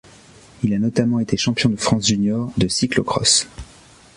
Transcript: Il a notamment été champion de France junior de cyclo-cross.